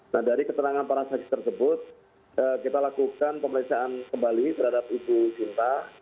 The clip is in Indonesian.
nah dari keterangan para saksi tersebut kita lakukan pemeriksaan kembali terhadap ibu sinta